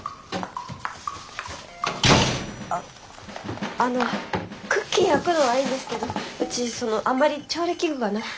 ああのクッキー焼くのはいいんですけどうちそのあんまり調理器具がなくて。